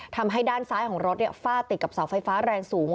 ทำให้ด้านซ้ายของรถฟาดติดกับเสาไฟฟ้าแรงสูง